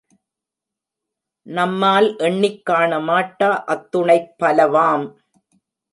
நம்மால் எண்ணிக் காணமாட்டா அத்துணைப் பலவாம்.